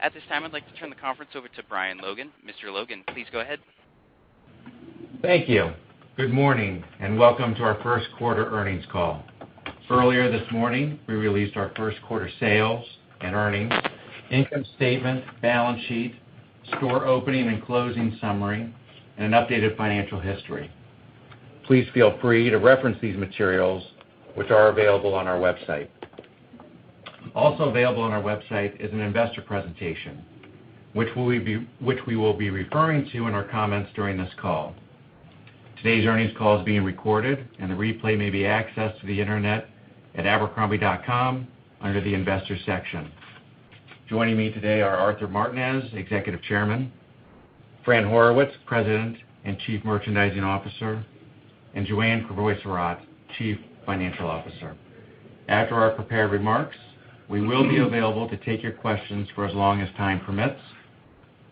At this time, I'd like to turn the conference over to Brian Logan. Mr. Logan, please go ahead. Thank you. Good morning, welcome to our first quarter earnings call. Earlier this morning, we released our first quarter sales and earnings, income statement, balance sheet, store opening and closing summary, and an updated financial history. Please feel free to reference these materials, which are available on our website. Also available on our website is an investor presentation, which we will be referring to in our comments during this call. Today's earnings call is being recorded, and the replay may be accessed via internet at abercrombie.com under the investor section. Joining me today are Arthur Martinez, Executive Chairman, Fran Horowitz, President and Chief Merchandising Officer, and Joanne Crevoiserat, Chief Financial Officer. After our prepared remarks, we will be available to take your questions for as long as time permits.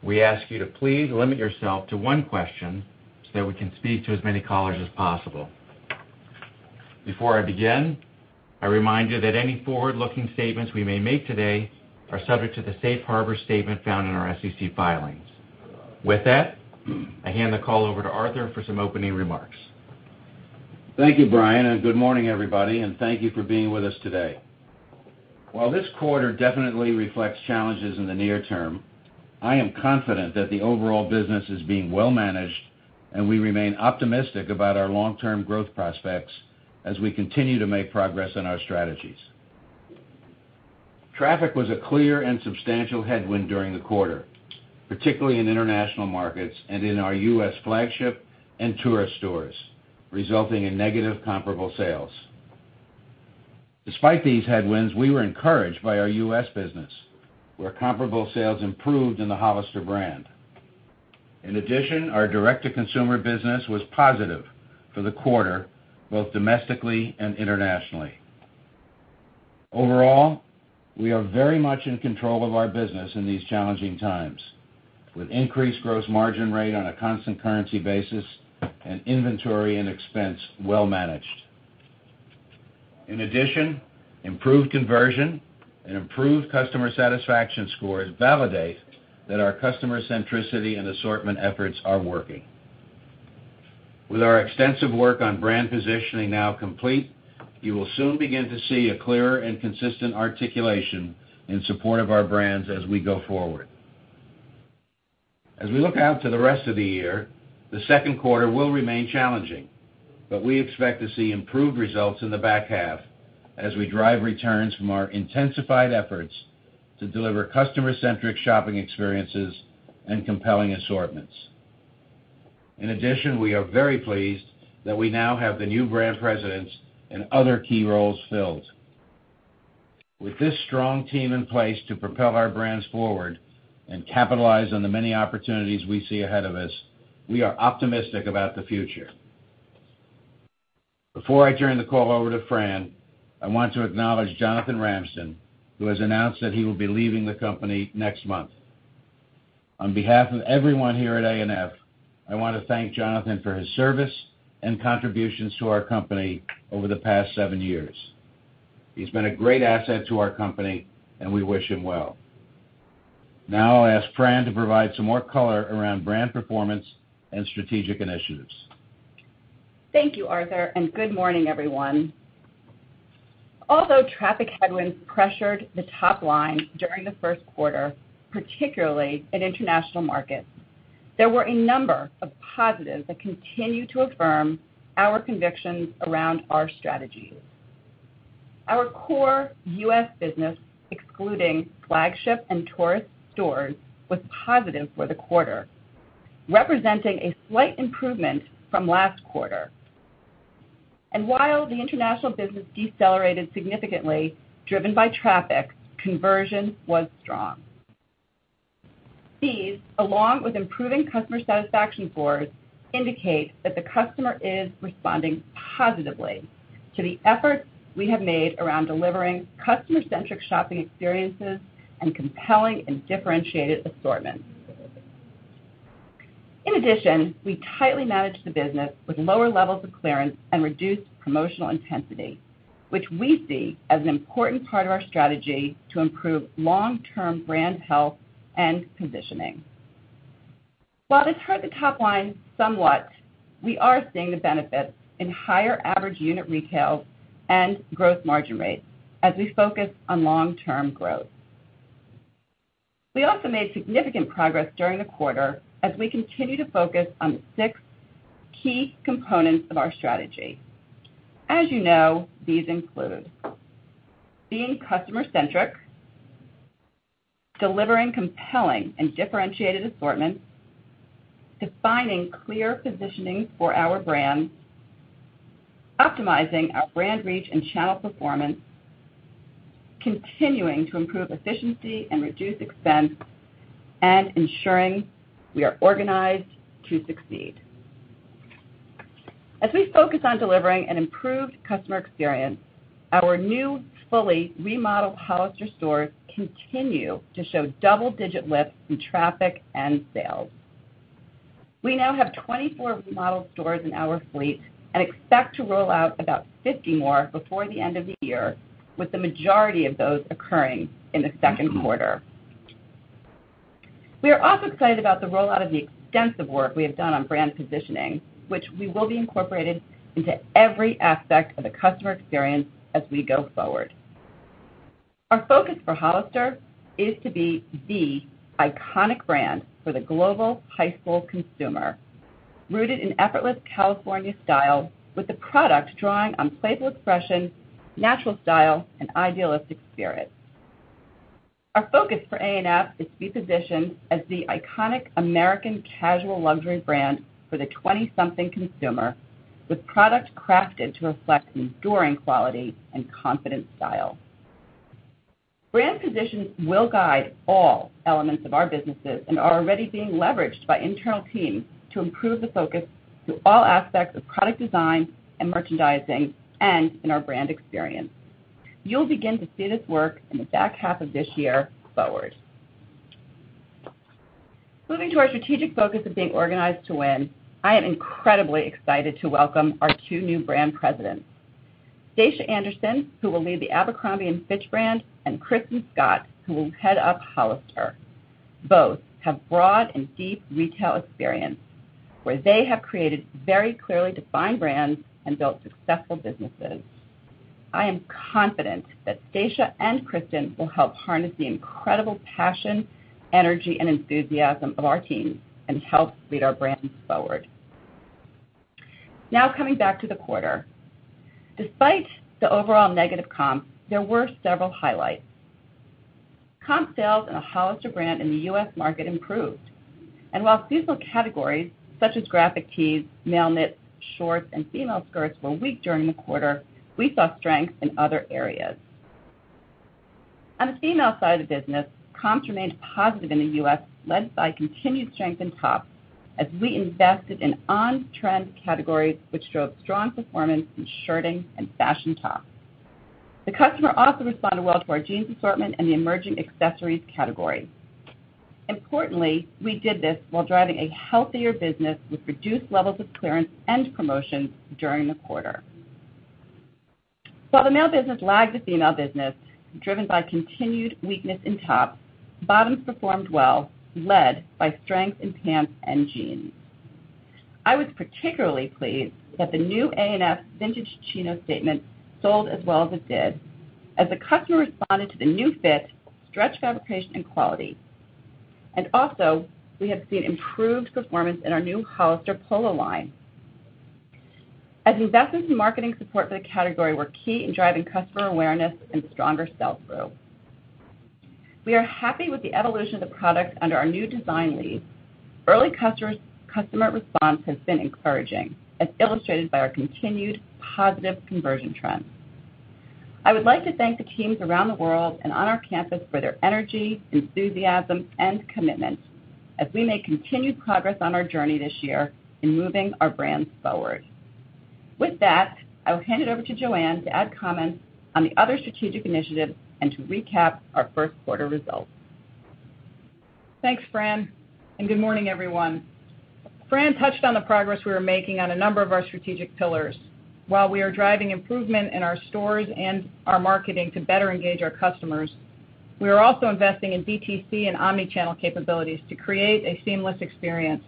We ask you to please limit yourself to one question so that we can speak to as many callers as possible. Before I begin, a reminder that any forward-looking statements we may make today are subject to the safe harbor statement found in our SEC filings. With that, I hand the call over to Arthur for some opening remarks. Thank you, Brian, good morning, everybody, thank you for being with us today. While this quarter definitely reflects challenges in the near term, I am confident that the overall business is being well managed, and we remain optimistic about our long-term growth prospects as we continue to make progress on our strategies. Traffic was a clear and substantial headwind during the quarter, particularly in international markets and in our U.S. flagship and tourist stores, resulting in negative comparable sales. Despite these headwinds, we were encouraged by our U.S. business, where comparable sales improved in the Hollister brand. In addition, our direct-to-consumer business was positive for the quarter, both domestically and internationally. Overall, we are very much in control of our business in these challenging times, with increased gross margin rate on a constant currency basis and inventory and expense well managed. In addition, improved conversion and improved customer satisfaction scores validate that our customer centricity and assortment efforts are working. With our extensive work on brand positioning now complete, you will soon begin to see a clearer and consistent articulation in support of our brands as we go forward. As we look out to the rest of the year, the second quarter will remain challenging. We expect to see improved results in the back half as we drive returns from our intensified efforts to deliver customer-centric shopping experiences and compelling assortments. In addition, we are very pleased that we now have the new brand presidents and other key roles filled. With this strong team in place to propel our brands forward and capitalize on the many opportunities we see ahead of us, we are optimistic about the future. Before I turn the call over to Fran, I want to acknowledge Jonathan Ramsden, who has announced that he will be leaving the company next month. On behalf of everyone here at A&F, I want to thank Jonathan for his service and contributions to our company over the past seven years. He's been a great asset to our company, and we wish him well. Now I'll ask Fran to provide some more color around brand performance and strategic initiatives. Thank you, Arthur, and good morning, everyone. Although traffic headwinds pressured the top line during the first quarter, particularly in international markets, there were a number of positives that continue to affirm our convictions around our strategies. Our core U.S. business, excluding flagship and tourist stores, was positive for the quarter, representing a slight improvement from last quarter. While the international business decelerated significantly, driven by traffic, conversion was strong. These, along with improving customer satisfaction scores, indicate that the customer is responding positively to the efforts we have made around delivering customer-centric shopping experiences and compelling and differentiated assortments. In addition, we tightly managed the business with lower levels of clearance and reduced promotional intensity, which we see as an important part of our strategy to improve long-term brand health and positioning. While this hurt the top line somewhat, we are seeing the benefits in higher average unit retail and gross margin rates as we focus on long-term growth. We also made significant progress during the quarter as we continue to focus on the six key components of our strategy. As you know, these include being customer centric, delivering compelling and differentiated assortments, defining clear positioning for our brands, optimizing our brand reach and channel performance, continuing to improve efficiency and reduce expense, and ensuring we are organized to succeed. As we focus on delivering an improved customer experience, our new, fully remodeled Hollister stores continue to show double-digit lifts in traffic and sales. We now have 24 remodeled stores in our fleet and expect to roll out about 50 more before the end of the year, with the majority of those occurring in the second quarter. We are also excited about the rollout of the extensive work we have done on brand positioning, which we will be incorporating into every aspect of the customer experience as we go forward. Our focus for Hollister is to be the iconic brand for the global high school consumer, rooted in effortless California style with the product drawing on playful expression, natural style, and idealistic spirit. Our focus for A&F is to be positioned as the iconic American casual luxury brand for the 20-something consumer, with product crafted to reflect enduring quality and confident style. Brand positions will guide all elements of our businesses and are already being leveraged by internal teams to improve the focus through all aspects of product design and merchandising, and in our brand experience. You'll begin to see this work in the back half of this year forward. Moving to our strategic focus of being organized to win, I am incredibly excited to welcome our two new brand presidents. Stacia Andersen, who will lead the Abercrombie & Fitch brand, and Kristin Scott, who will head up Hollister. Both have broad and deep retail experience, where they have created very clearly defined brands and built successful businesses. I am confident that Stacia and Kristin will help harness the incredible passion, energy, and enthusiasm of our teams and help lead our brands forward. Coming back to the quarter. Despite the overall negative comp, there were several highlights. Comp sales in the Hollister brand in the U.S. market improved. While seasonal categories such as graphic tees, male knits, shorts, and female skirts were weak during the quarter, we saw strength in other areas. On the female side of the business, comps remained positive in the U.S., led by continued strength in tops as we invested in on-trend categories, which showed strong performance in shirting and fashion tops. The customer also responded well to our jeans assortment and the emerging accessories category. Importantly, we did this while driving a healthier business with reduced levels of clearance and promotions during the quarter. While the male business lagged the female business, driven by continued weakness in tops, bottoms performed well, led by strength in pants and jeans. I was particularly pleased that the new A&F vintage chino statement sold as well as it did, as the customer responded to the new fit, stretch fabrication, and quality. Also, we have seen improved performance in our new Hollister polo line. Investments in marketing support for the category were key in driving customer awareness and stronger sell-through. We are happy with the evolution of the product under our new design leads. Early customer response has been encouraging, as illustrated by our continued positive conversion trends. I would like to thank the teams around the world and on our campus for their energy, enthusiasm, and commitment as we make continued progress on our journey this year in moving our brands forward. With that, I will hand it over to Joanne to add comments on the other strategic initiatives and to recap our first quarter results. Thanks, Fran, and good morning, everyone. Fran touched on the progress we are making on a number of our strategic pillars. While we are driving improvement in our stores and our marketing to better engage our customers, we are also investing in DTC and omnichannel capabilities to create a seamless experience.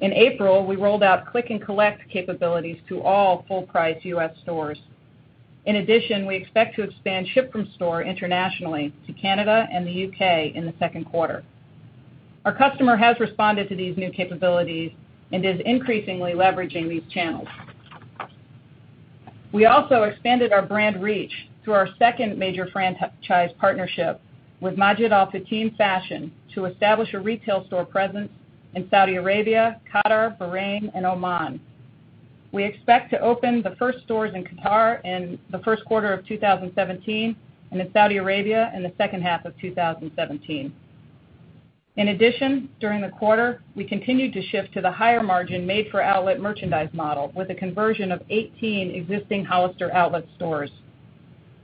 In April, we rolled out click and collect capabilities to all full-price U.S. stores. In addition, we expect to expand ship from store internationally to Canada and the U.K. in the second quarter. Our customer has responded to these new capabilities and is increasingly leveraging these channels. We also expanded our brand reach through our second major franchise partnership with Majid Al Futtaim Fashion to establish a retail store presence in Saudi Arabia, Qatar, Bahrain, and Oman. We expect to open the first stores in Qatar in the first quarter of 2017, and in Saudi Arabia in the second half of 2017. In addition, during the quarter, we continued to shift to the higher margin made-for-outlet merchandise model with a conversion of 18 existing Hollister outlet stores.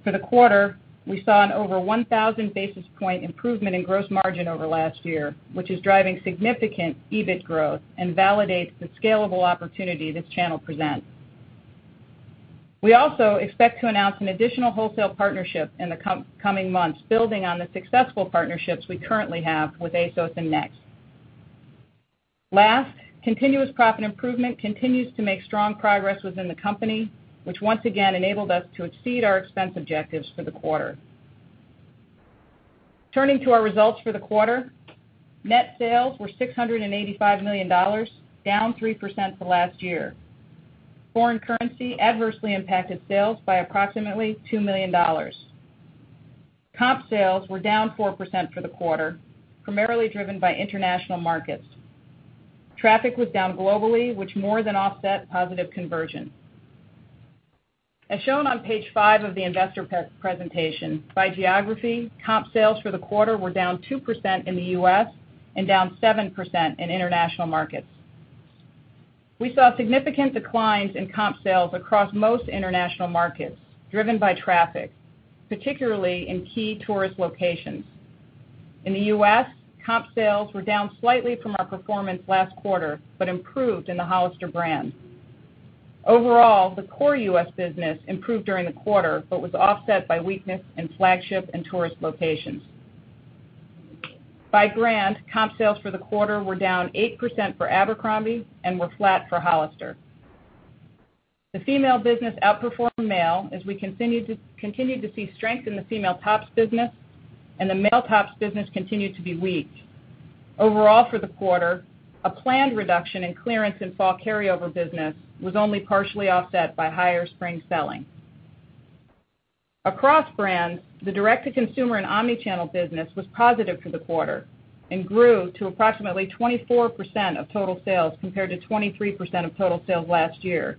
For the quarter, we saw an over 1,000 basis point improvement in gross margin over last year, which is driving significant EBIT growth and validates the scalable opportunity this channel presents. We also expect to announce an additional wholesale partnership in the coming months, building on the successful partnerships we currently have with ASOS and Next. Last, continuous profit improvement continues to make strong progress within the company, which once again enabled us to exceed our expense objectives for the quarter. Turning to our results for the quarter, net sales were $685 million, down 3% from last year. Foreign currency adversely impacted sales by approximately $2 million. Comp sales were down 4% for the quarter, primarily driven by international markets. Traffic was down globally, which more than offset positive conversion. As shown on page five of the investor presentation, by geography, comp sales for the quarter were down 2% in the U.S. and down 7% in international markets. We saw significant declines in comp sales across most international markets, driven by traffic, particularly in key tourist locations. In the U.S., comp sales were down slightly from our performance last quarter but improved in the Hollister brand. Overall, the core U.S. business improved during the quarter but was offset by weakness in flagship and tourist locations. By brand, comp sales for the quarter were down 8% for Abercrombie and were flat for Hollister. The female business outperformed male as we continued to see strength in the female tops business, and the male tops business continued to be weak. Overall for the quarter, a planned reduction in clearance in fall carryover business was only partially offset by higher spring selling. Across brands, the direct-to-consumer and omnichannel business was positive for the quarter and grew to approximately 24% of total sales compared to 23% of total sales last year,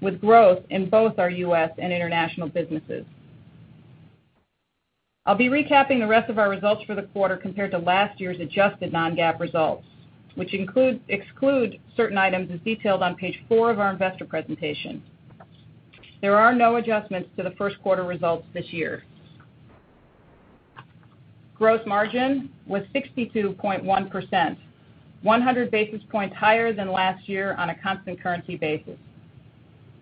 with growth in both our U.S. and international businesses. I will be recapping the rest of our results for the quarter compared to last year's adjusted non-GAAP results, which exclude certain items as detailed on page four of our investor presentation. There are no adjustments to the first quarter results this year. Gross margin was 62.1%, 100 basis points higher than last year on a constant currency basis.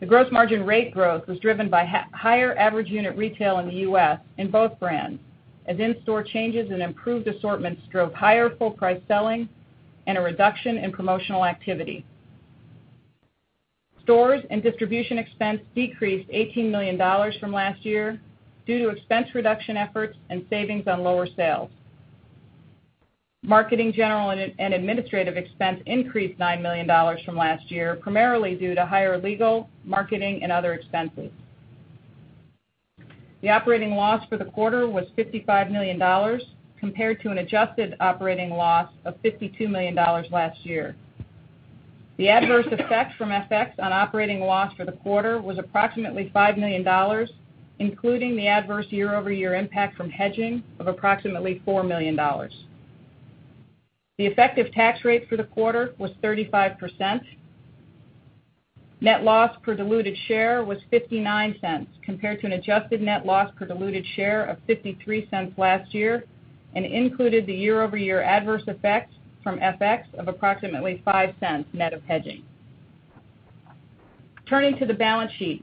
The gross margin rate growth was driven by higher average unit retail in the U.S. in both brands, as in-store changes and improved assortments drove higher full price selling and a reduction in promotional activity. Stores and distribution expense decreased $18 million from last year due to expense reduction efforts and savings on lower sales. Marketing, general, and administrative expense increased $9 million from last year, primarily due to higher legal, marketing, and other expenses. The operating loss for the quarter was $55 million compared to an adjusted operating loss of $52 million last year. The adverse effect from FX on operating loss for the quarter was approximately $5 million, including the adverse year-over-year impact from hedging of approximately $4 million. The effective tax rate for the quarter was 35%. Net loss per diluted share was $0.59, compared to an adjusted net loss per diluted share of $0.53 last year and included the year-over-year adverse effects from FX of approximately $0.05 net of hedging. Turning to the balance sheet.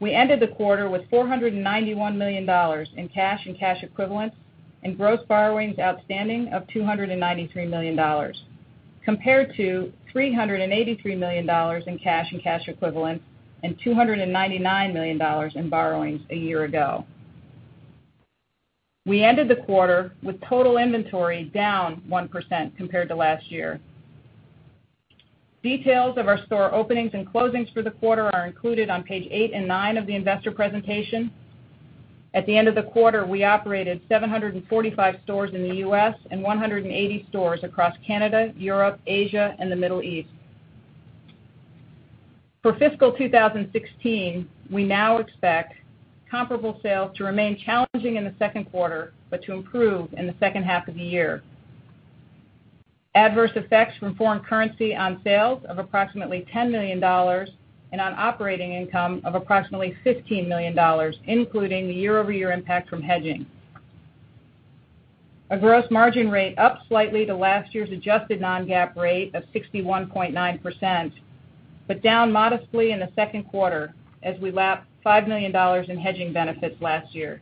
We ended the quarter with $491 million in cash and cash equivalents and gross borrowings outstanding of $293 million, compared to $383 million in cash and cash equivalents and $299 million in borrowings a year ago. We ended the quarter with total inventory down 1% compared to last year. Details of our store openings and closings for the quarter are included on page eight and nine of the investor presentation. At the end of the quarter, we operated 745 stores in the U.S. and 180 stores across Canada, Europe, Asia, and the Middle East. For fiscal 2016, we now expect comparable sales to remain challenging in the second quarter, but to improve in the second half of the year. Adverse effects from foreign currency on sales of approximately $10 million and on operating income of approximately $15 million, including the year-over-year impact from hedging. A gross margin rate up slightly to last year's adjusted non-GAAP rate of 61.9%, but down modestly in the second quarter as we lap $5 million in hedging benefits last year.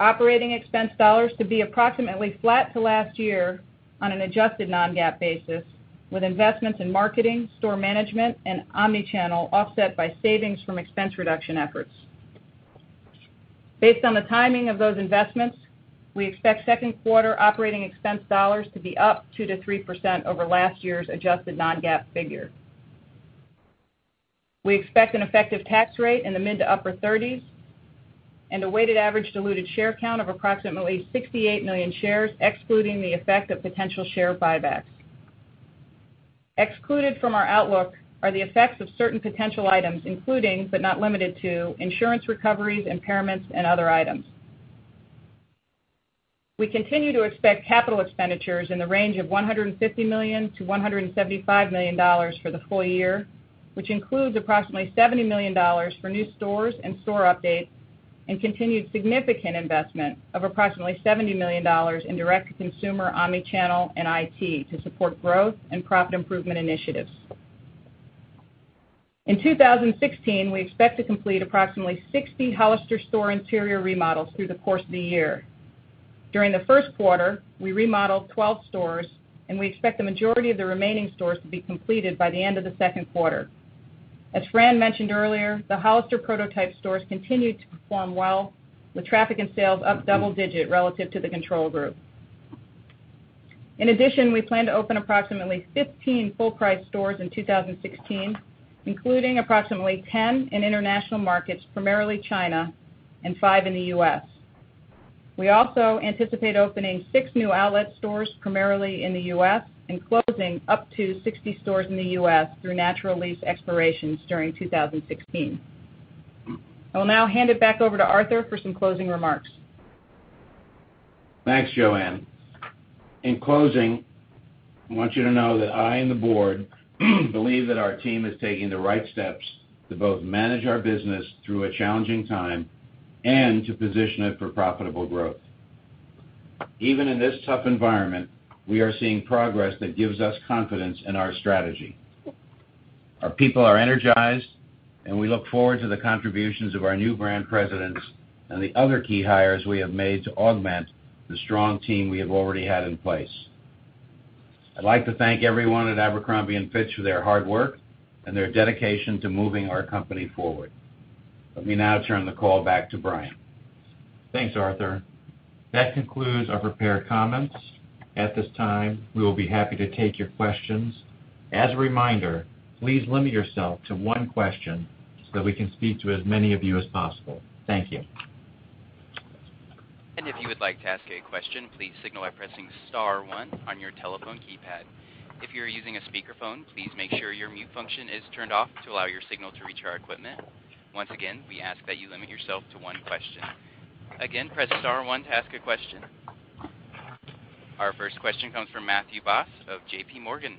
Operating expense dollars to be approximately flat to last year on an adjusted non-GAAP basis, with investments in marketing, store management, and omnichannel offset by savings from expense reduction efforts. Based on the timing of those investments, we expect second quarter operating expense dollars to be up 2%-3% over last year's adjusted non-GAAP figure. We expect an effective tax rate in the mid to upper 30s and a weighted average diluted share count of approximately 68 million shares, excluding the effect of potential share buybacks. Excluded from our outlook are the effects of certain potential items, including, but not limited to, insurance recoveries, impairments, and other items. We continue to expect capital expenditures in the range of $150 million-$175 million for the full year, which includes approximately $70 million for new stores and store updates, and continued significant investment of approximately $70 million in direct-to-consumer, omnichannel, and IT to support growth and profit improvement initiatives. In 2016, we expect to complete approximately 60 Hollister store interior remodels through the course of the year. During the first quarter, we remodeled 12 stores, and we expect the majority of the remaining stores to be completed by the end of the second quarter. As Fran Horowitz mentioned earlier, the Hollister Co. prototype stores continued to perform well, with traffic and sales up double-digit relative to the control group. In addition, we plan to open approximately 15 full-price stores in 2016, including approximately 10 in international markets, primarily China, and five in the U.S. We also anticipate opening six new outlet stores, primarily in the U.S., and closing up to 60 stores in the U.S. through natural lease expirations during 2016. I will now hand it back over to Arthur Martinez for some closing remarks. Thanks, Joanne Crevoiserat. In closing, I want you to know that I and the board believe that our team is taking the right steps to both manage our business through a challenging time and to position it for profitable growth. Even in this tough environment, we are seeing progress that gives us confidence in our strategy. Our people are energized, and we look forward to the contributions of our new brand presidents and the other key hires we have made to augment the strong team we have already had in place. I'd like to thank everyone at Abercrombie & Fitch for their hard work and their dedication to moving our company forward. Let me now turn the call back to Brian Logan. Thanks, Arthur Martinez. That concludes our prepared comments. At this time, we will be happy to take your questions. As a reminder, please limit yourself to one question so that we can speak to as many of you as possible. Thank you. If you would like to ask a question, please signal by pressing star one on your telephone keypad. If you're using a speakerphone, please make sure your mute function is turned off to allow your signal to reach our equipment. Once again, we ask that you limit yourself to one question. Again, press star one to ask a question. Our first question comes from Matthew Boss of J.P. Morgan.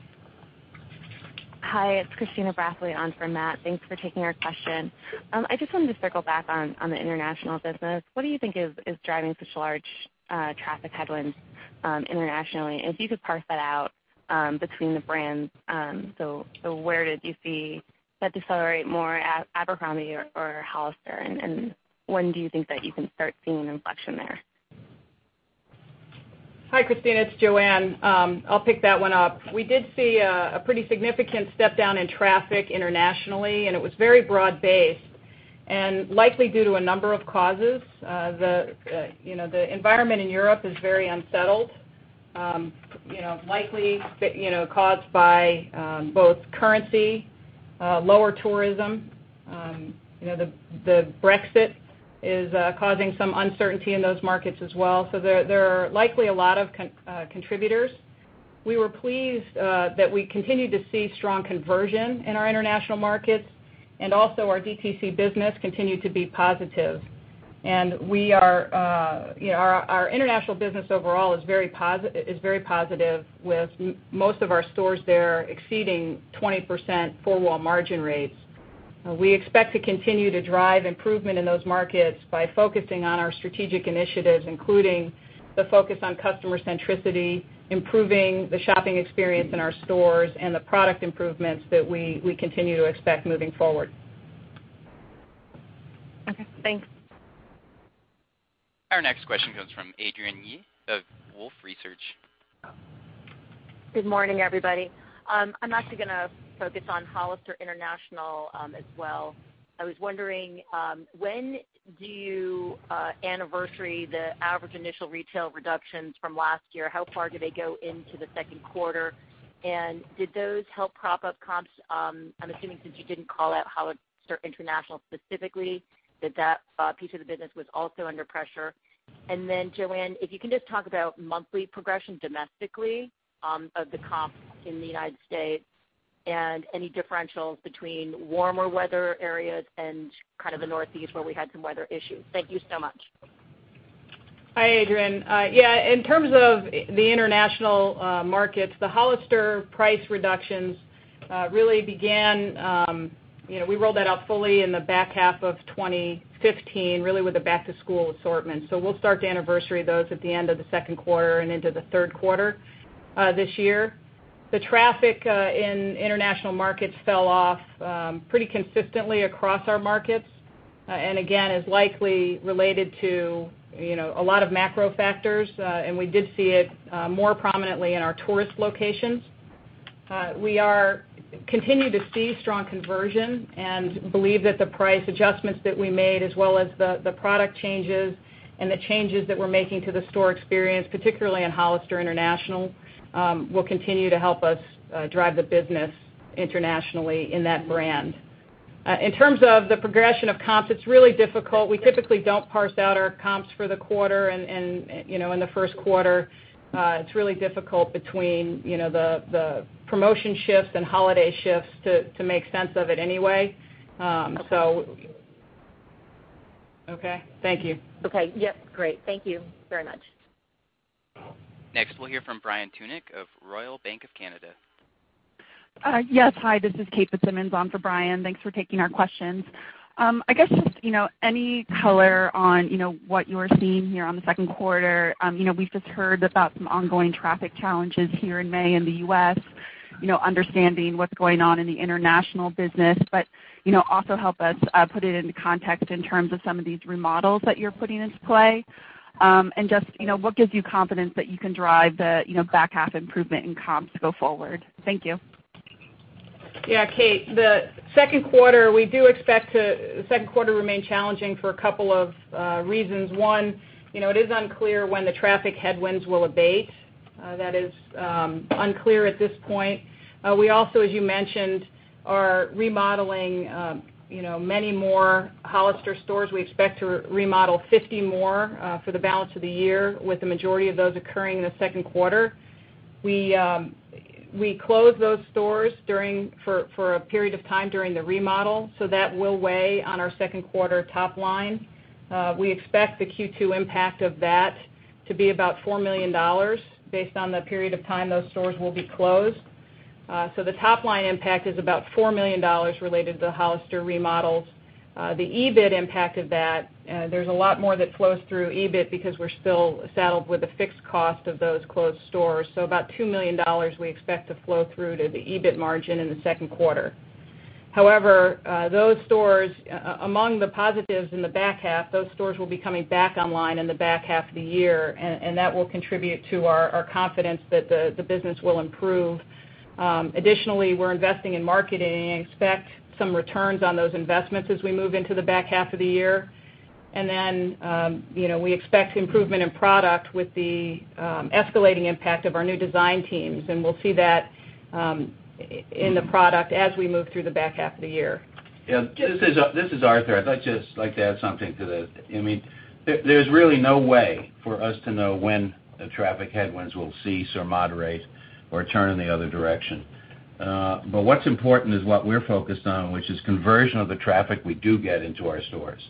Hi, it's Christina Brathwaite on for Matt. Thanks for taking our question. I just wanted to circle back on the international business. What do you think is driving such large traffic headwinds internationally? If you could parse that out between the brands, so where did you see that decelerate more, at Abercrombie or Hollister? When do you think that you can start seeing an inflection there? Hi, Christina, it's Joanne. I'll pick that one up. We did see a pretty significant step-down in traffic internationally, and it was very broad-based and likely due to a number of causes. The environment in Europe is very unsettled, likely caused by both currency, lower tourism. Brexit is causing some uncertainty in those markets as well. There are likely a lot of contributors. We were pleased that we continued to see strong conversion in our international markets. Also our DTC business continued to be positive. Our international business overall is very positive with most of our stores there exceeding 20% four-wall margin rates. We expect to continue to drive improvement in those markets by focusing on our strategic initiatives, including the focus on customer centricity, improving the shopping experience in our stores, and the product improvements that we continue to expect moving forward. Okay, thanks. Our next question comes from Adrienne Tennant of Wolfe Research. Good morning, everybody. I'm actually going to focus on Hollister International as well. I was wondering when do you anniversary the average initial retail reductions from last year, how far do they go into the second quarter? Did those help prop up comps? I'm assuming since you didn't call out Hollister International specifically, that that piece of the business was also under pressure. Joanne, if you can just talk about monthly progression domestically of the comps in the U.S. and any differentials between warmer weather areas and the Northeast where we had some weather issues. Thank you so much. Hi, Adrienne. In terms of the international markets, the Hollister price reductions We rolled that out fully in the back half of 2015, really with the back-to-school assortment. We'll start to anniversary those at the end of the second quarter and into the third quarter this year. The traffic in international markets fell off pretty consistently across our markets. Again, is likely related to a lot of macro factors, and we did see it more prominently in our tourist locations. We continue to see strong conversion and believe that the price adjustments that we made as well as the product changes and the changes that we're making to the store experience, particularly on Hollister International, will continue to help us drive the business internationally in that brand. In terms of the progression of comps, it's really difficult. We typically don't parse out our comps for the quarter, and in the first quarter, it's really difficult between the promotion shifts and holiday shifts to make sense of it anyway. Okay. Okay. Thank you. Okay. Yep. Great. Thank you very much. Next, we'll hear from Brian Tunick of Royal Bank of Canada. Yes, hi, this is Kate Fitzsimons on for Brian. Thanks for taking our questions. I guess just any color on what you're seeing here on the second quarter. We've just heard about some ongoing traffic challenges here in May in the U.S., understanding what's going on in the international business, but also help us put it into context in terms of some of these remodels that you're putting into play. Just what gives you confidence that you can drive the back half improvement in comps to go forward? Thank you. Yeah, Kate. The second quarter remain challenging for a couple of reasons. One, it is unclear when the traffic headwinds will abate. That is unclear at this point. We also, as you mentioned, are remodeling many more Hollister stores. We expect to remodel 50 more for the balance of the year with the majority of those occurring in the second quarter. We close those stores for a period of time during the remodel, so that will weigh on our second quarter top-line. We expect the Q2 impact of that to be about $4 million based on the period of time those stores will be closed. The top-line impact is about $4 million related to the Hollister remodels. The EBIT impact of that, there's a lot more that flows through EBIT because we're still saddled with the fixed cost of those closed stores. About $2 million we expect to flow through to the EBIT margin in the second quarter. Among the positives in the back half, those stores will be coming back online in the back half of the year, that will contribute to our confidence that the business will improve. We're investing in marketing, expect some returns on those investments as we move into the back half of the year. We expect improvement in product with the escalating impact of our new design teams, we'll see that in the product as we move through the back half of the year. This is Arthur. I'd like to just add something to this. There's really no way for us to know when the traffic headwinds will cease or moderate or turn in the other direction. What's important is what we're focused on, which is conversion of the traffic we do get into our stores.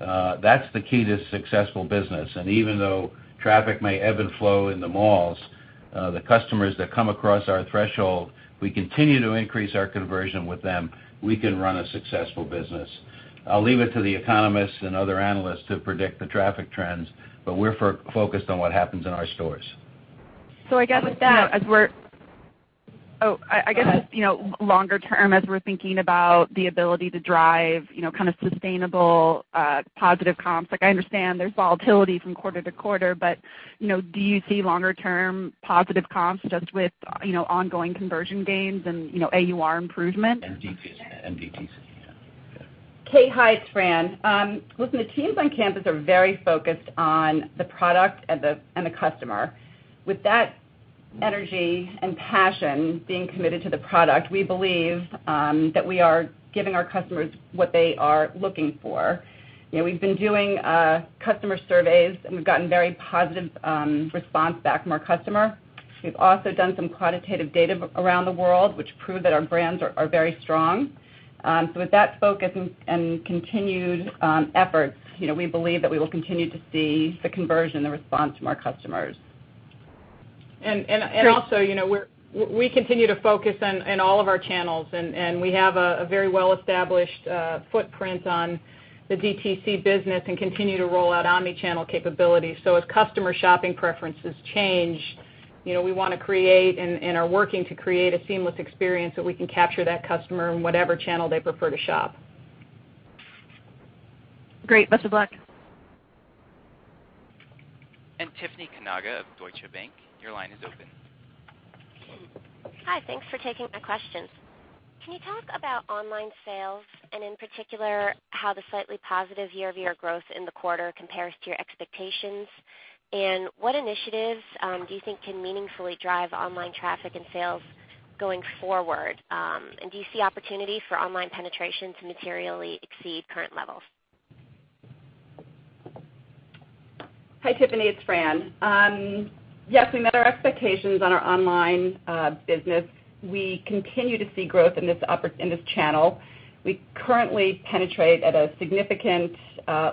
That's the key to successful business. Even though traffic may ebb and flow in the malls, the customers that come across our threshold, we continue to increase our conversion with them, we can run a successful business. I'll leave it to the economists and other analysts to predict the traffic trends, we're focused on what happens in our stores. I guess with that I guess just, longer term, as we're thinking about the ability to drive sustainable, positive comps. I understand there's volatility from quarter to quarter, do you see longer term positive comps just with ongoing conversion gains and AUR improvement? DTC. Yeah. Kate, hi, it's Fran. Listen, the teams on campus are very focused on the product and the customer. With that energy and passion being committed to the product, we believe that we are giving our customers what they are looking for. We've been doing customer surveys, and we've gotten very positive response back from our customer. We've also done some quantitative data around the world, which prove that our brands are very strong. With that focus and continued efforts, we believe that we will continue to see the conversion, the response from our customers. Also, we continue to focus on all of our channels, and we have a very well-established footprint on the DTC business and continue to roll out omni-channel capabilities. As customer shopping preferences change, we want to create and are working to create a seamless experience so we can capture that customer in whatever channel they prefer to shop. Great. Best of luck. Tiffany Kanaga of Deutsche Bank, your line is open. Hi. Thanks for taking my questions. Can you talk about online sales, in particular, how the slightly positive year-over-year growth in the quarter compares to your expectations? What initiatives do you think can meaningfully drive online traffic and sales going forward? Do you see opportunity for online penetration to materially exceed current levels? Hi, Tiffany. It's Fran. Yes, we met our expectations on our online business. We continue to see growth in this channel. We currently penetrate at a significant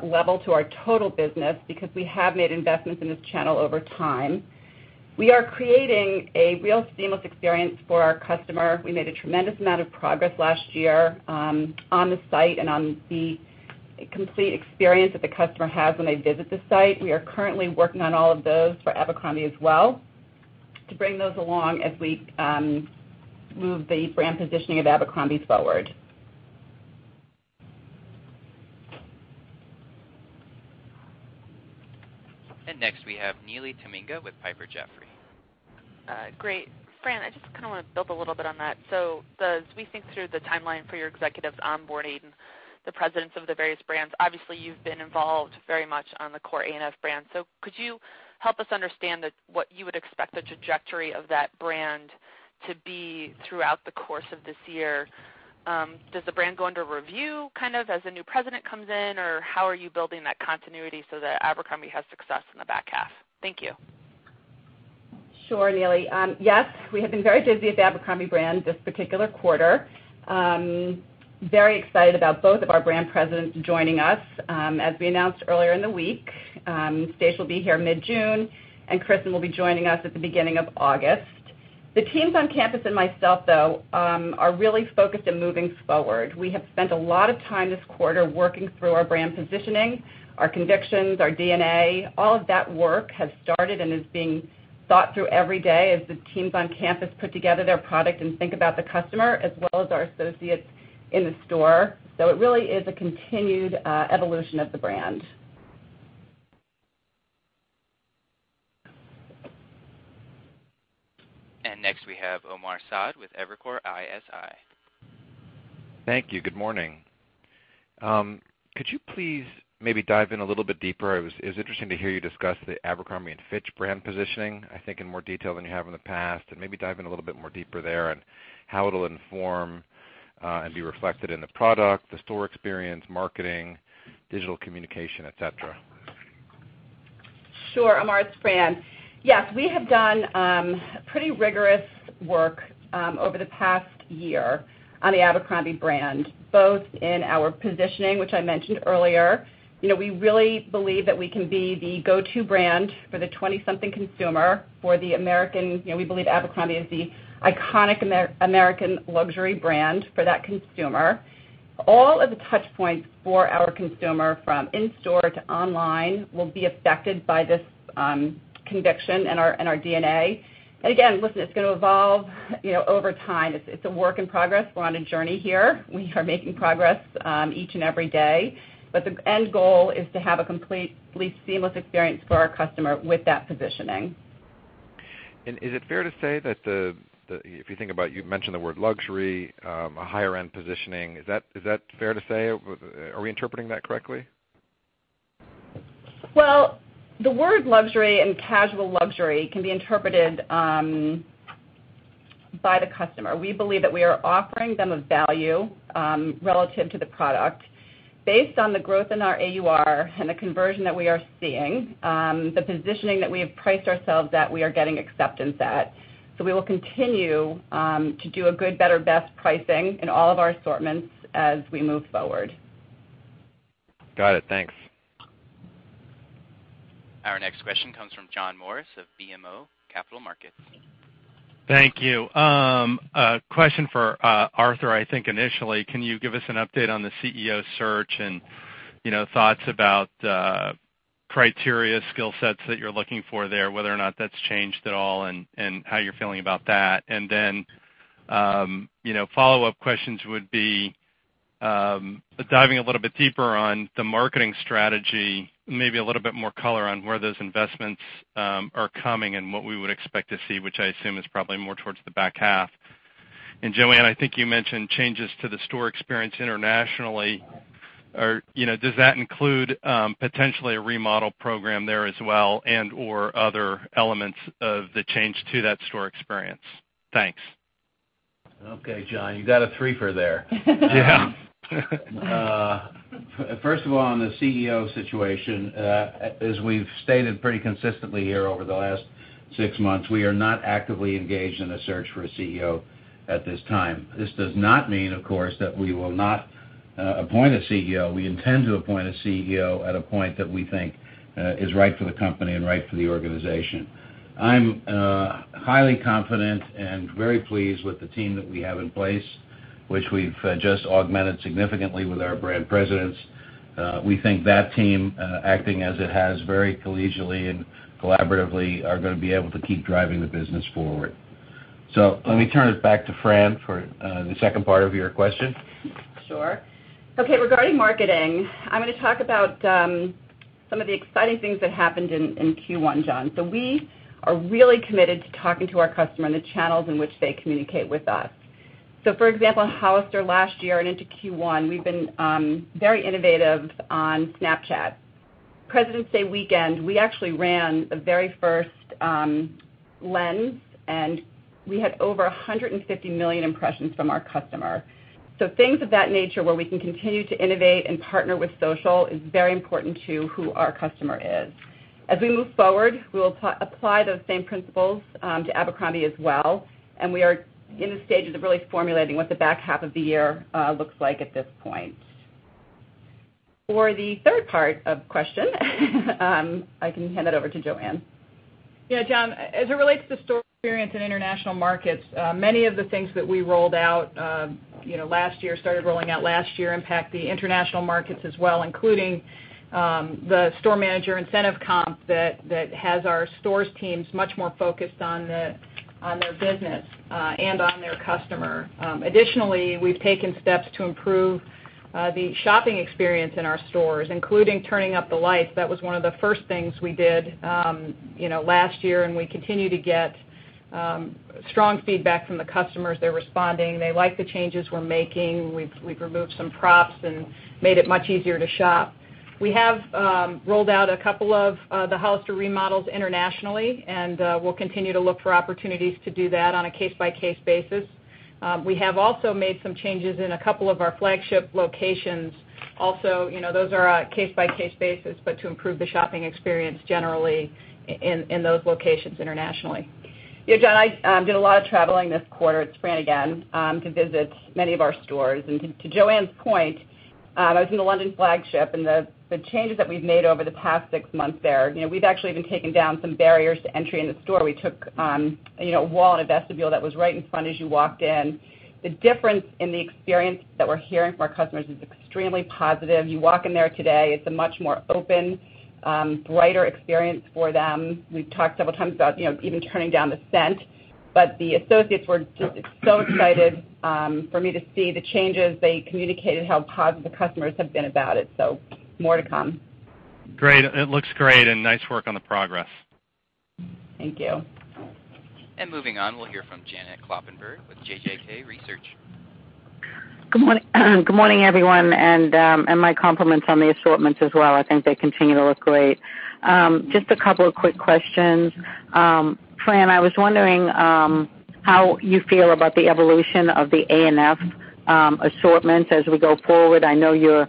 level to our total business because we have made investments in this channel over time. We are creating a real seamless experience for our customer. We made a tremendous amount of progress last year on the site and on the complete experience that the customer has when they visit the site. We are currently working on all of those for Abercrombie as well to bring those along as we move the brand positioning of Abercrombie forward. Next we have Neely Tamminga with Piper Jaffray. Great. Fran, I just want to build a little bit on that. As we think through the timeline for your executives onboarding the presidents of the various brands, obviously you've been involved very much on the core ANF brand. Could you help us understand what you would expect the trajectory of that brand to be throughout the course of this year? Does the brand go under review as a new president comes in, or how are you building that continuity so that Abercrombie has success in the back half? Thank you. Sure, Neely. Yes, we have been very busy at the Abercrombie brand this particular quarter. Very excited about both of our brand presidents joining us. As we announced earlier in the week, Stace will be here mid-June, and Kristin will be joining us at the beginning of August. The teams on campus and myself, though, are really focused on moving forward. We have spent a lot of time this quarter working through our brand positioning, our convictions, our DNA. All of that work has started and is being thought through every day as the teams on campus put together their product and think about the customer, as well as our associates in the store. It really is a continued evolution of the brand. Next we have Omar Saad with Evercore ISI. Thank you. Good morning. Could you please maybe dive in a little bit deeper? It was interesting to hear you discuss the Abercrombie & Fitch brand positioning, I think in more detail than you have in the past. Maybe dive in a little bit more deeper there on how it'll inform and be reflected in the product, the store experience, marketing, digital communication, et cetera. Sure. I'm Fran. Yes, we have done pretty rigorous work over the past year on the Abercrombie brand, both in our positioning, which I mentioned earlier. We really believe that we can be the go-to brand for the 20-something consumer for the American. We believe Abercrombie is the iconic American luxury brand for that consumer. All of the touchpoints for our consumer, from in-store to online, will be affected by this conviction and our DNA. Again, listen, it's going to evolve over time. It's a work in progress. We're on a journey here. We are making progress each and every day. The end goal is to have a completely seamless experience for our customer with that positioning. Is it fair to say that If you think about, you mentioned the word luxury, a higher-end positioning. Is that fair to say? Are we interpreting that correctly? Well, the word luxury and casual luxury can be interpreted by the customer. We believe that we are offering them a value relative to the product. Based on the growth in our AUR and the conversion that we are seeing, the positioning that we have priced ourselves, that we are getting acceptance at. We will continue to do a good, better, best pricing in all of our assortments as we move forward. Got it. Thanks. Our next question comes from John Morris of BMO Capital Markets. Thank you. A question for Arthur, I think initially. Can you give us an update on the CEO search and thoughts about criteria skill sets that you're looking for there, whether or not that's changed at all, and how you're feeling about that? Then, follow-up questions would be diving a little bit deeper on the marketing strategy, maybe a little bit more color on where those investments are coming and what we would expect to see, which I assume is probably more towards the back half. Joanne, I think you mentioned changes to the store experience internationally. Does that include potentially a remodel program there as well and/or other elements of the change to that store experience? Thanks. Okay, John, you got a three-fer there. Yeah. First of all, on the CEO situation, as we've stated pretty consistently here over the last six months, we are not actively engaged in a search for a CEO at this time. This does not mean, of course, that we will not appoint a CEO. We intend to appoint a CEO at a point that we think is right for the company and right for the organization. I'm highly confident and very pleased with the team that we have in place, which we've just augmented significantly with our brand presidents. We think that team, acting as it has very collegially and collaboratively, are going to be able to keep driving the business forward. Let me turn it back to Fran for the second part of your question. Sure. Okay. Regarding marketing, I'm going to talk about some of the exciting things that happened in Q1, John. We are really committed to talking to our customer and the channels in which they communicate with us. For example, Hollister last year and into Q1, we've been very innovative on Snapchat. Presidents' Day weekend, we actually ran the very first lens, and we had over 150 million impressions from our customer. Things of that nature where we can continue to innovate and partner with social is very important to who our customer is. As we move forward, we will apply those same principles to Abercrombie as well, and we are in the stages of really formulating what the back half of the year looks like at this point. For the third part of the question, I can hand it over to Joanne. Yeah, John, as it relates to store experience in international markets, many of the things that we rolled out last year, started rolling out last year, impact the international markets as well, including the store manager incentive comp that has our stores teams much more focused on their business and on their customer. Additionally, we've taken steps to improve the shopping experience in our stores, including turning up the lights. That was one of the first things we did last year, and we continue to get strong feedback from the customers. They're responding. They like the changes we're making. We've removed some props and made it much easier to shop. We have rolled out a couple of the Hollister remodels internationally, and we'll continue to look for opportunities to do that on a case-by-case basis. We have also made some changes in a couple of our flagship locations also. Those are a case-by-case basis to improve the shopping experience generally in those locations internationally. Yeah, John, I did a lot of traveling this quarter, it's Fran again, to visit many of our stores. To Joanne's point, I was in the London flagship, and the changes that we've made over the past six months there, we've actually even taken down some barriers to entry in the store. We took a wall and a vestibule that was right in front as you walked in. The difference in the experience that we're hearing from our customers is extremely positive. You walk in there today, it's a much more open, brighter experience for them. We've talked several times about even turning down the scent, the associates were just so excited for me to see the changes. They communicated how positive the customers have been about it. More to come. Great. It looks great, and nice work on the progress. Thank you. Moving on, we'll hear from Janet Kloppenburg with JJK Research. Good morning, everyone, and my compliments on the assortments as well. I think they continue to look great. Just a couple of quick questions. Fran, I was wondering how you feel about the evolution of the ANF assortment as we go forward. I know your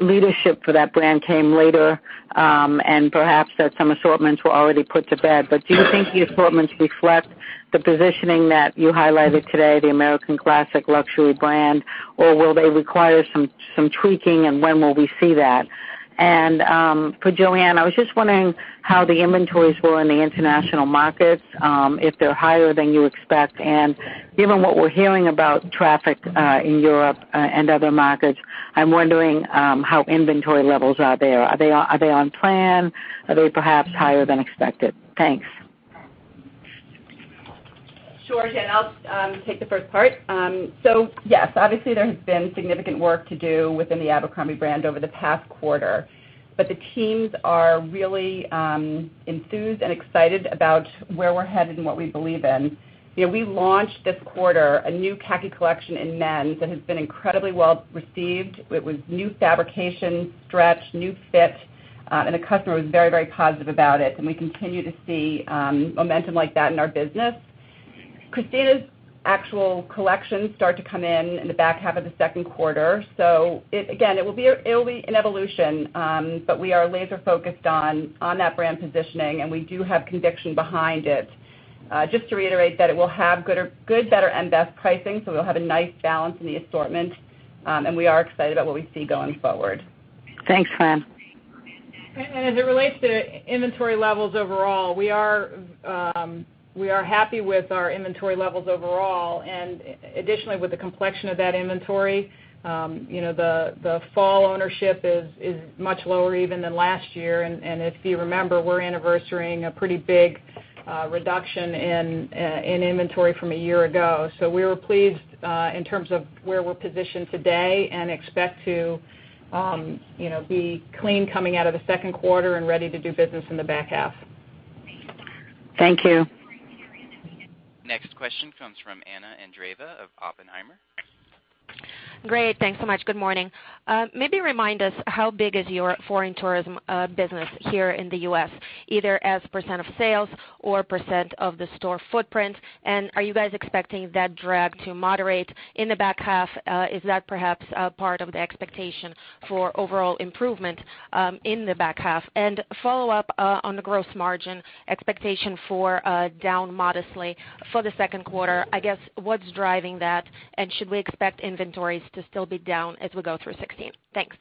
leadership for that brand came later, and perhaps that some assortments were already put to bed. Do you think the assortments reflect the positioning that you highlighted today, the American classic luxury brand, or will they require some tweaking, and when will we see that? For Joanne, I was just wondering how the inventories were in the international markets, if they're higher than you expect. Given what we're hearing about traffic in Europe and other markets, I'm wondering how inventory levels are there. Are they on plan? Are they perhaps higher than expected? Thanks. Sure. Janet, I'll take the first part. Yes, obviously, there has been significant work to do within the Abercrombie brand over the past quarter. The teams are really enthused and excited about where we're headed and what we believe in. We launched this quarter a new khaki collection in men's that has been incredibly well received. It was new fabrication, stretch, new fit, and the customer was very positive about it. We continue to see momentum like that in our business. Kristina's actual collections start to come in in the back half of the second quarter. Again, it will be an evolution, but we are laser-focused on that brand positioning, and we do have conviction behind it. Just to reiterate that it will have good, better, and best pricing, we'll have a nice balance in the assortment, we are excited about what we see going forward. Thanks, Fran. As it relates to inventory levels overall, we are happy with our inventory levels overall, additionally, with the complexion of that inventory. The fall ownership is much lower even than last year, if you remember, we're anniversarying a pretty big reduction in inventory from a year ago. We were pleased in terms of where we're positioned today and expect to be clean coming out of the second quarter and ready to do business in the back half. Thank you. Next question comes from Anna Andreeva of Oppenheimer. Great. Thanks so much. Good morning. Maybe remind us, how big is your foreign tourism business here in the U.S., either as % of sales or % of the store footprint, and are you guys expecting that drag to moderate in the back half? Is that perhaps a part of the expectation for overall improvement in the back half? Follow-up on the gross margin expectation for down modestly for the second quarter. I guess what's driving that, and should we expect inventories to still be down as we go through 2016? Thanks.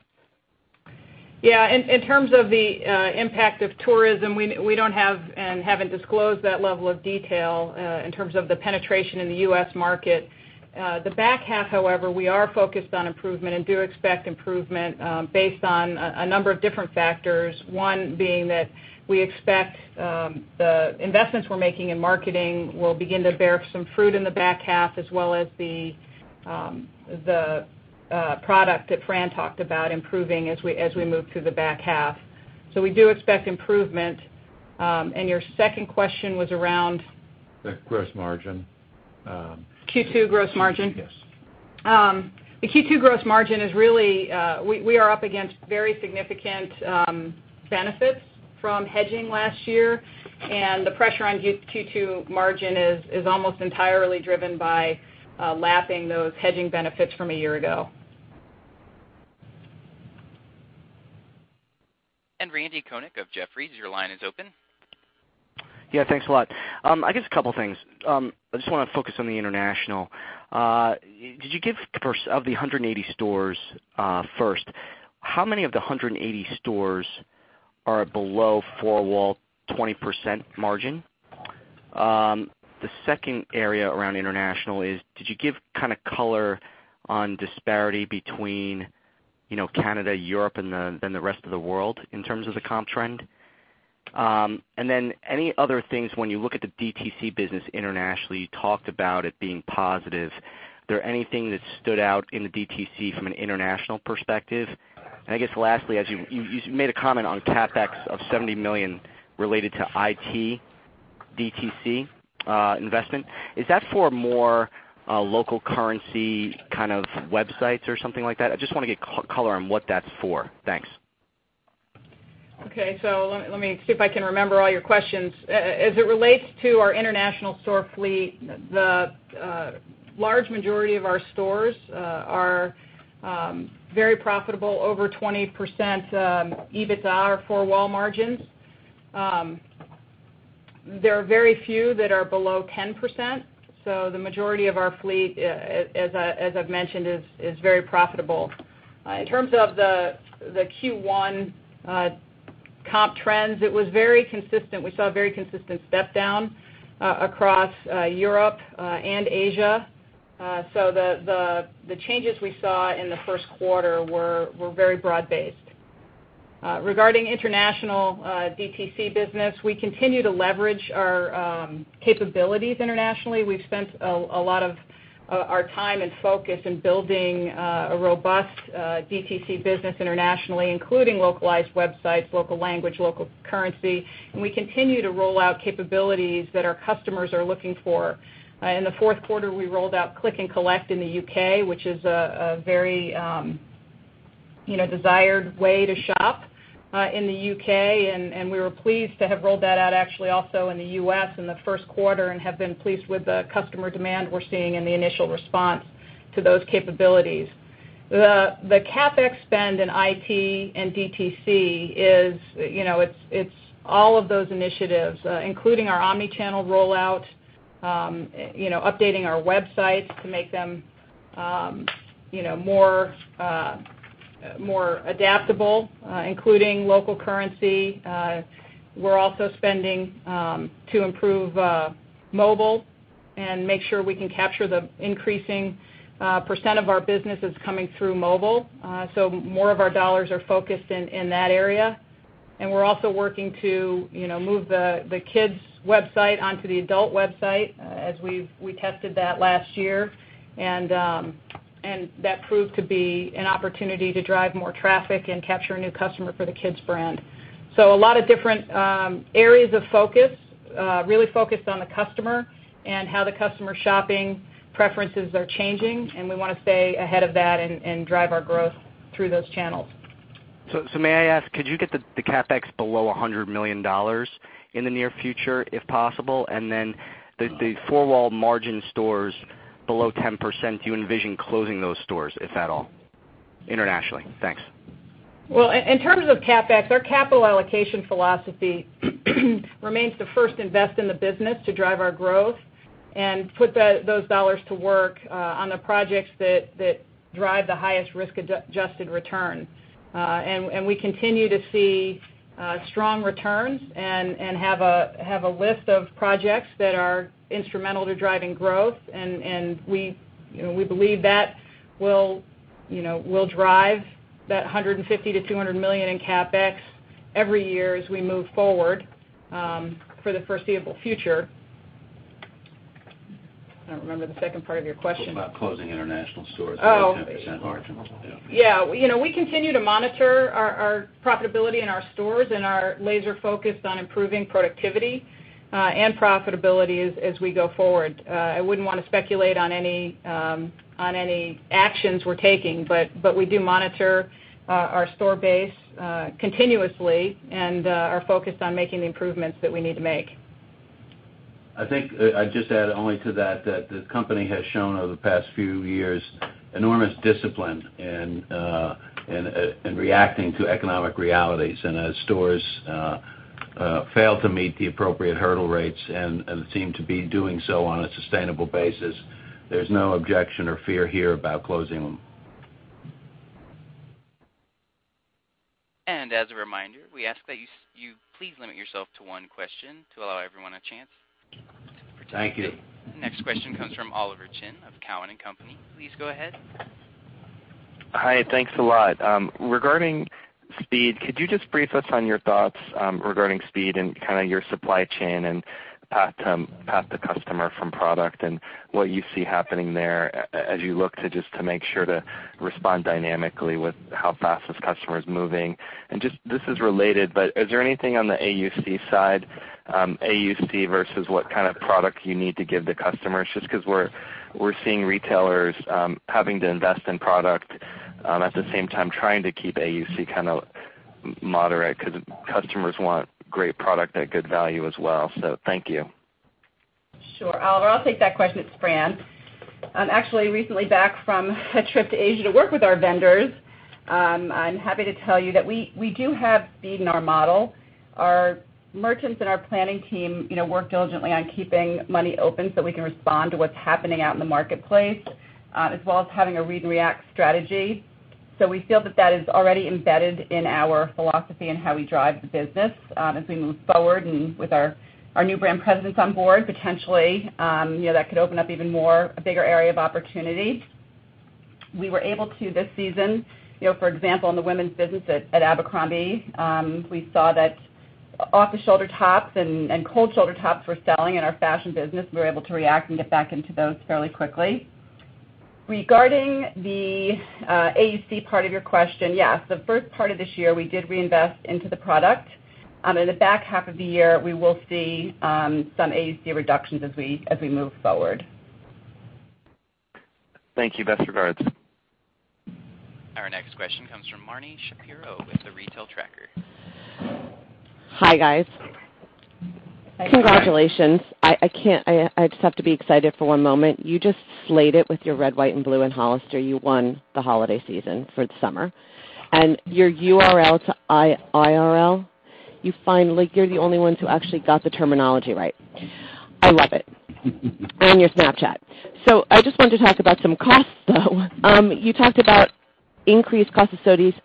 Yeah. In terms of the impact of tourism, we don't have and haven't disclosed that level of detail in terms of the penetration in the U.S. market. The back half, however, we are focused on improvement and do expect improvement based on a number of different factors. One being that we expect the investments we're making in marketing will begin to bear some fruit in the back half as well as the product that Fran talked about improving as we move through the back half. We do expect improvement. Your second question was around The gross margin. Q2 gross margin? Yes. The Q2 gross margin is. We are up against very significant benefits from hedging last year, and the pressure on Q2 margin is almost entirely driven by lapping those hedging benefits from a year ago. Randal Konik of Jefferies, your line is open. Thanks a lot. I guess a couple things. I just want to focus on the international. Of the 180 stores first, how many of the 180 stores are below four-wall 20% margin? The second area around international is, did you give kind of color on disparity between Canada, Europe, and the rest of the world in terms of the comp trend? Any other things when you look at the DTC business internationally, you talked about it being positive. Is there anything that stood out in the DTC from an international perspective? I guess lastly, as you made a comment on CapEx of $70 million related to IT DTC investment. Is that for more local currency kind of websites or something like that? I just want to get color on what that's for. Thanks. Let me see if I can remember all your questions. As it relates to our international store fleet, the large majority of our stores are very profitable, over 20% EBITDA or four-wall margins. There are very few that are below 10%. The majority of our fleet, as I've mentioned, is very profitable. In terms of the Q1 comp trends, it was very consistent. We saw a very consistent step down across Europe and Asia. The changes we saw in the first quarter were very broad-based. Regarding international DTC business, we continue to leverage our capabilities internationally. We've spent a lot of our time and focus in building a robust DTC business internationally, including localized websites, local language, local currency, and we continue to roll out capabilities that our customers are looking for. In the fourth quarter, we rolled out click and collect in the U.K., which is a very desired way to shop in the U.K., and we were pleased to have rolled that out actually also in the U.S. in the first quarter and have been pleased with the customer demand we're seeing and the initial response to those capabilities. The CapEx spend in IT and DTC, it's all of those initiatives, including our omni-channel rollout, updating our websites to make them more adaptable including local currency. We're also spending to improve mobile and make sure we can capture the increasing percent of our businesses coming through mobile. More of our dollars are focused in that area. We're also working to move the kids' website onto the adult website, as we tested that last year. That proved to be an opportunity to drive more traffic and capture a new customer for the kids brand. A lot of different areas of focus. Really focused on the customer and how the customer shopping preferences are changing, and we want to stay ahead of that and drive our growth through those channels. May I ask, could you get the CapEx below $100 million in the near future if possible? The four-wall margin stores below 10%, do you envision closing those stores, if at all, internationally? Thanks. In terms of CapEx, our capital allocation philosophy remains to first invest in the business to drive our growth and put those dollars to work on the projects that drive the highest risk-adjusted return. We continue to see strong returns and have a list of projects that are instrumental to driving growth. We believe that will drive that $150 million-$200 million in CapEx every year as we move forward for the foreseeable future. I don't remember the second part of your question. It was about closing international stores. Oh below 10% margins. Yeah. Yeah. We continue to monitor our profitability in our stores, are laser-focused on improving productivity and profitability as we go forward. I wouldn't want to speculate on any actions we're taking, we do monitor our store base continuously and are focused on making the improvements that we need to make. I think I'd just add only to that the company has shown over the past few years enormous discipline in reacting to economic realities. As stores fail to meet the appropriate hurdle rates and seem to be doing so on a sustainable basis, there's no objection or fear here about closing them. As a reminder, we ask that you please limit yourself to one question to allow everyone a chance. Thank you. Next question comes from Oliver Chen of Cowen and Company. Please go ahead. Hi. Thanks a lot. Regarding speed, could you just brief us on your thoughts regarding speed and kind of your supply chain and path to customer from product and what you see happening there as you look to make sure to respond dynamically with how fast this customer is moving. This is related, but is there anything on the AUC side, AUC versus what kind of product you need to give the customers, just because we're seeing retailers having to invest in product, at the same time, trying to keep AUC kind of moderate because customers want great product at good value as well. Thank you. Sure, Oliver. I'll take that question. It's Fran. I'm actually recently back from a trip to Asia to work with our vendors. I'm happy to tell you that we do have speed in our model. Our merchants and our planning team work diligently on keeping money open so we can respond to what's happening out in the marketplace, as well as having a read and react strategy. We feel that that is already embedded in our philosophy and how we drive the business. As we move forward and with our new brand presidents on board, potentially, that could open up even more, a bigger area of opportunity. We were able to this season, for example, in the women's business at Abercrombie, we saw that off-the-shoulder tops and cold shoulder tops were selling in our fashion business. We were able to react and get back into those fairly quickly. Regarding the AUC part of your question, yes, the first part of this year, we did reinvest into the product. In the back half of the year, we will see some AUC reductions as we move forward. Thank you. Best regards. Our next question comes from Marni Shapiro with The Retail Tracker. Hi, guys. Hi. Congratulations. I just have to be excited for one moment. You just slayed it with your red, white, and blue in Hollister. You won the holiday season for the summer. Your URL to IRL, you're the only ones who actually got the terminology right. I love it. Your Snapchat. I just wanted to talk about some costs, though. You talked about increased costs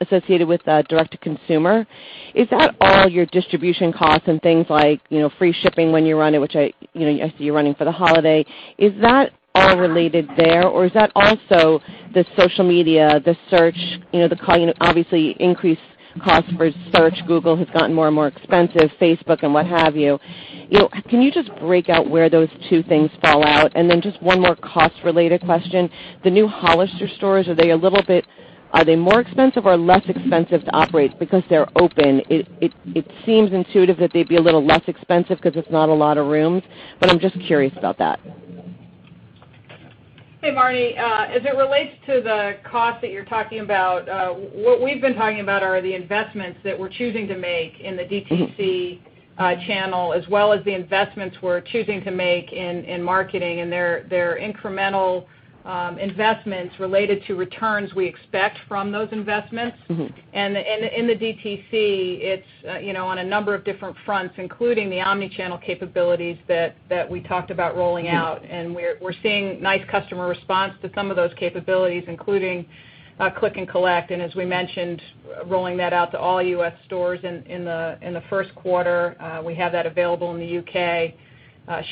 associated with direct to consumer. Is that all your distribution costs and things like free shipping when you run it, which I see you running for the holiday. Is that all related there, or is that also the social media, the search, obviously increased costs for search. Google has gotten more and more expensive, Facebook, and what have you. Can you just break out where those two things fall out? Then just one more cost-related question. The new Hollister stores, are they more expensive or less expensive to operate because they're open? It seems intuitive that they'd be a little less expensive because it's not a lot of rooms, but I'm just curious about that. Hey, Marni. As it relates to the cost that you're talking about, what we've been talking about are the investments that we're choosing to make in the DTC channel, as well as the investments we're choosing to make in marketing. They're incremental investments related to returns we expect from those investments. In the DTC, it's on a number of different fronts, including the omni-channel capabilities that we talked about rolling out. We're seeing nice customer response to some of those capabilities, including click and collect, as we mentioned, rolling that out to all U.S. stores in the first quarter. We have that available in the U.K.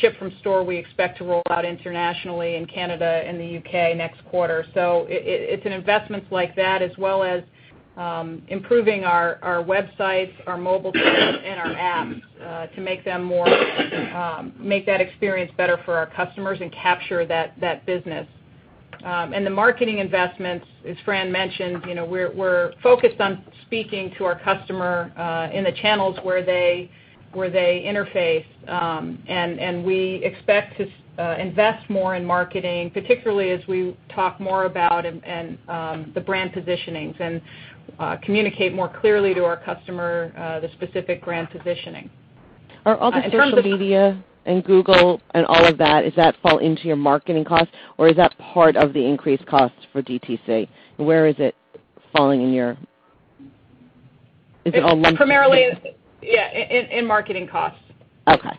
Ship from store, we expect to roll out internationally in Canada and the U.K. next quarter. It's in investments like that, as well as improving our websites, our mobile apps to make that experience better for our customers and capture that business. The marketing investments, as Fran mentioned, we're focused on speaking to our customer in the channels where they interface. We expect to invest more in marketing, particularly as we talk more about the brand positionings and communicate more clearly to our customer the specific brand positioning. Are all the social media and Google and all of that, does that fall into your marketing costs, or is that part of the increased costs for DTC? Is it all lumped? Primarily, yeah, in marketing costs. Okay.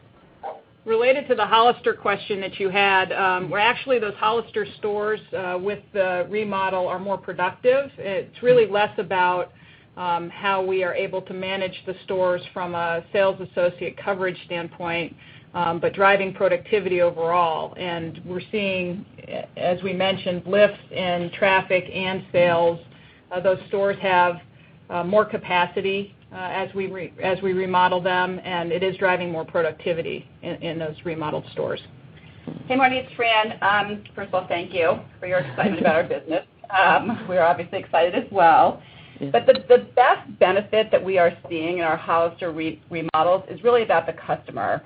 Related to the Hollister question that you had, actually those Hollister stores with the remodel are more productive. It's really less about how we are able to manage the stores from a sales associate coverage standpoint, but driving productivity overall. We're seeing, as we mentioned, lifts in traffic and sales. Those stores have more capacity as we remodel them, and it is driving more productivity in those remodeled stores. Hey, Marni, it's Fran. First of all, thank you for your excitement about our business. We're obviously excited as well. The best benefit that we are seeing in our Hollister remodels is really about the customer.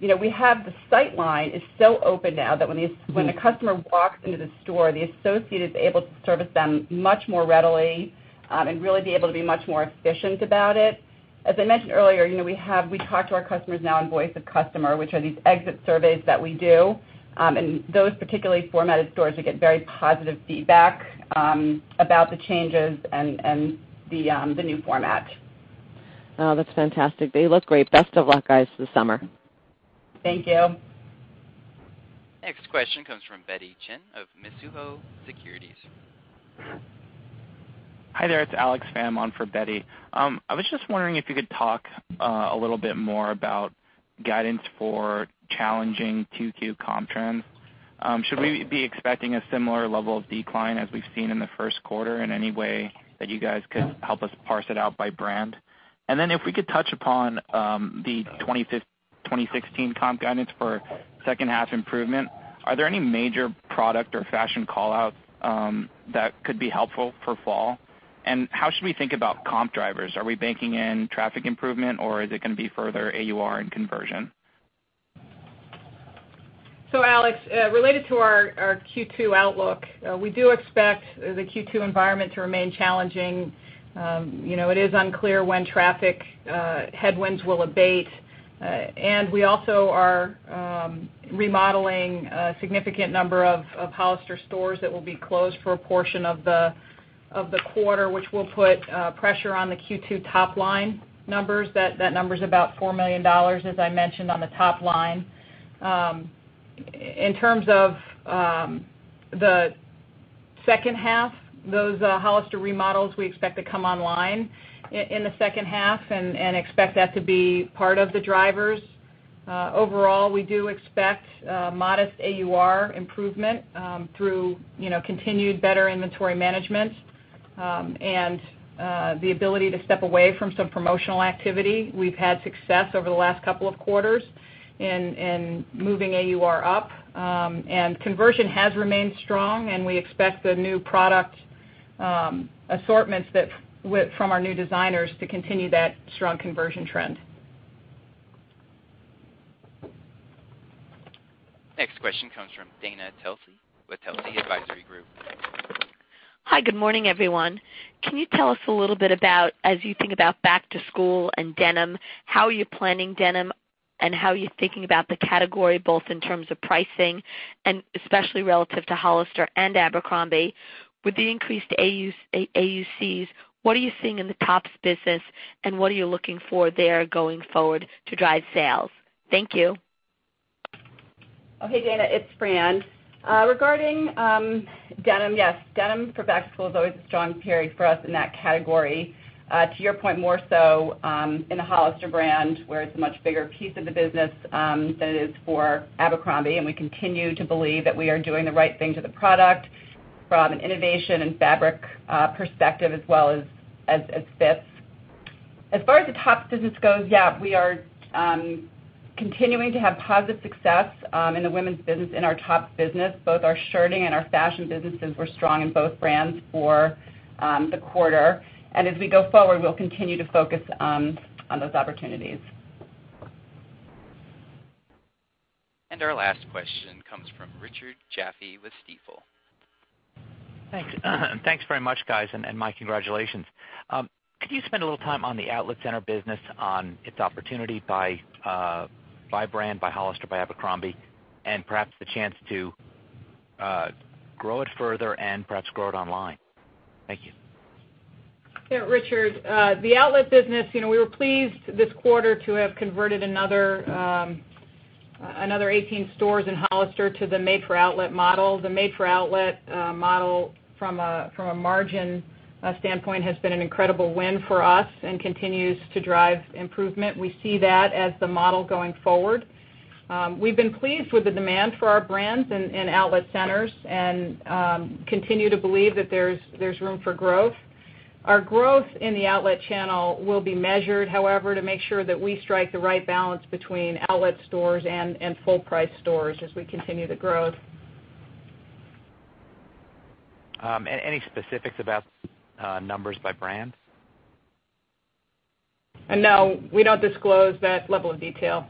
The sight line is so open now that when the customer walks into the store, the associate is able to service them much more readily, and really be able to be much more efficient about it. As I mentioned earlier, we talk to our customers now in Voice of Customer, which are these exit surveys that we do. Those particularly formatted stores, we get very positive feedback about the changes and the new format. Oh, that's fantastic. They look great. Best of luck, guys, this summer. Thank you. Next question comes from Betty Chen of Mizuho Securities. Hi there. It's Alex Pham on for Betty. I was just wondering if you could talk a little bit more about guidance for challenging Q2 comp trends. Should we be expecting a similar level of decline as we've seen in the first quarter in any way that you guys could help us parse it out by brand? Then if we could touch upon the 2016 comp guidance for second half improvement, are there any major product or fashion call-outs that could be helpful for fall? How should we think about comp drivers? Are we banking in traffic improvement, or is it going to be further AUR and conversion? Alex, related to our Q2 outlook, we do expect the Q2 environment to remain challenging. It is unclear when traffic headwinds will abate. We also are remodeling a significant number of Hollister Co. stores that will be closed for a portion of the quarter, which will put pressure on the Q2 top-line numbers. That number's about $4 million, as I mentioned, on the top line. In terms of the second half, those Hollister Co. remodels we expect to come online in the second half and expect that to be part of the drivers. Overall, we do expect modest AUR improvement through continued better inventory management, and the ability to step away from some promotional activity. We've had success over the last couple of quarters in moving AUR up. Conversion has remained strong, and we expect the new product assortments from our new designers to continue that strong conversion trend. Next question comes from Dana Telsey with Telsey Advisory Group. Hi, good morning, everyone. Can you tell us a little bit about, as you think about back to school and denim, how you're planning denim and how you're thinking about the category, both in terms of pricing and especially relative to Hollister and Abercrombie. With the increased AUCs, what are you seeing in the tops business, and what are you looking for there going forward to drive sales? Thank you. Hey, Dana, it's Fran. Regarding denim, yes, denim for back to school is always a strong period for us in that category. To your point, more so in the Hollister brand, where it's a much bigger piece of the business than it is for Abercrombie, and we continue to believe that we are doing the right thing to the product from an innovation and fabric perspective, as well as fits. As far as the tops business goes, yeah, we are continuing to have positive success in the women's business, in our tops business. Both our shirting and our fashion businesses were strong in both brands for the quarter. As we go forward, we'll continue to focus on those opportunities. Our last question comes from Richard Jaffe with Stifel. Thanks. Thanks very much, guys, and [Mike], congratulations. Could you spend a little time on the outlet center business on its opportunity by brand, by Hollister, by Abercrombie, and perhaps the chance to grow it further and perhaps grow it online? Thank you. Yeah, Richard. The outlet business, we were pleased this quarter to have converted another 18 stores in Hollister to the made-for-outlet model. The made-for-outlet model from a margin standpoint has been an incredible win for us and continues to drive improvement. We see that as the model going forward. We've been pleased with the demand for our brands in outlet centers and continue to believe that there's room for growth. Our growth in the outlet channel will be measured, however, to make sure that we strike the right balance between outlet stores and full-price stores as we continue to grow. Any specifics about numbers by brands? No, we don't disclose that level of detail.